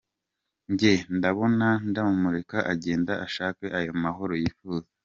Njye ndabona ndamureka agende, ashake ayo mahoro yifuza.